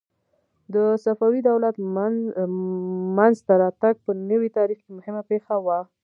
د صفوي دولت منځته راتګ په نوي تاریخ کې مهمه پېښه وه.